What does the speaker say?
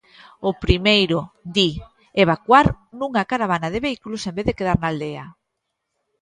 O primeiro, di, evacuar nunha caravana de vehículos en vez de quedar na aldea.